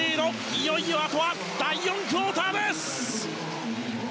いよいよあとは第４クオーターです。